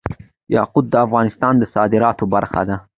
یاقوت د افغانستان د صادراتو برخه ده.